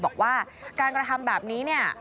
บอกว่าการกระทำแบบนี้เนี่ย